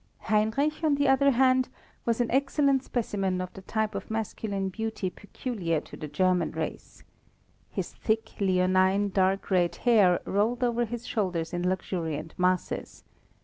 Heinrich, on the other hand, was an excellent specimen of the type of masculine beauty peculiar to the German race. His thick, leonine, dark red hair rolled over his shoulders in luxuriant masses.